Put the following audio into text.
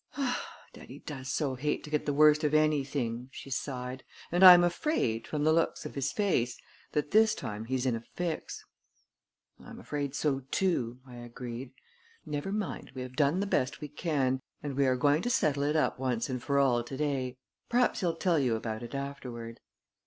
"Daddy does so hate to get the worst of anything," she sighed; "and I am afraid, from the looks of his face, that this time he's in a fix." "I am afraid so, too," I agreed. "Never mind; we have done the best we can, and we are going to settle it up once and for all to day. Perhaps he'll tell you about it afterward."